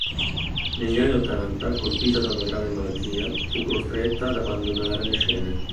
Negli anni ottanta, colpita da una grave malattia, fu costretta ad abbandonare le scene.